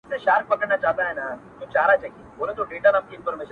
زه به څرنگه مخ اړوم يارانو!